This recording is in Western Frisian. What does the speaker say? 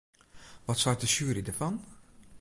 Wat seit de sjuery derfan?